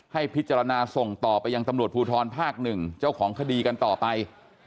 ให้พิจารณาส่งต่อไปยังตำรวจภูทรภาค๑เจ้าของคดีกันต่อไป